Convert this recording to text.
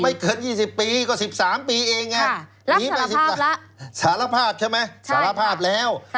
เกิน๒๐ปีก็๑๓ปีเองไงหนีไปสารภาพใช่ไหมสารภาพแล้ว